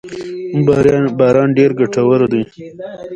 ازادي راډیو د اطلاعاتی تکنالوژي د پرمختګ په اړه هیله څرګنده کړې.